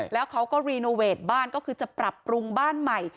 แล้วเขาก็รีโนเวทบ้านก็คือจะปรับปรุงบ้านใหม่